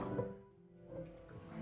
kita baru saja dari sini